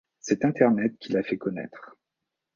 C'est Internet qui l'a fait connaitre.